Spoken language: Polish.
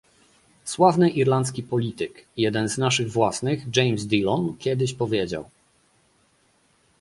Sławny irlandzki polityk, jeden z naszych własnych - James Dillon - kiedyś powiedział